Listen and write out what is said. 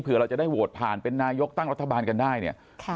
เพื่อเราจะได้โหวตผ่านเป็นนายกตั้งรัฐบาลกันได้เนี่ย